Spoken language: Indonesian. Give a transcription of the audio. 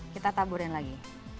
kita taburin lagi